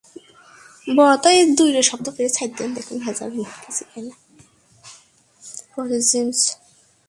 পরে জেমস ফকনারকেও স্টাম্পিং করে আন্তর্জাতিক ম্যাচে স্টাম্পিংয়ের বিশ্ব রেকর্ড গড়েছেন ধোনি।